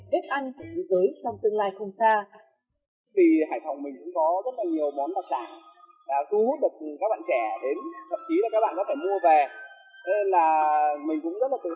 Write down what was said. bếp ăn của thế giới trong tương lai không xa